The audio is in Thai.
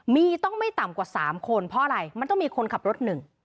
มีต้องไม่ต่ำกว่า๓คนเพราะอะไรมันต้องมีคนขับรถหนึ่ง